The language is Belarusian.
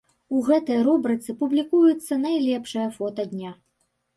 У гэтай рубрыцы публікуецца найлепшае фота дня.